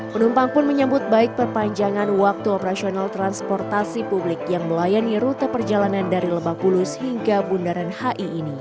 penumpang pun menyambut baik perpanjangan waktu operasional transportasi publik yang melayani rute perjalanan dari lebak bulus hingga bundaran hi ini